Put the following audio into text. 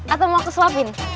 atau mau aku suapin